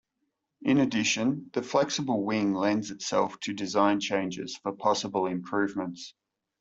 In addition, the flexible wing lends itself to design changes for possible improvements.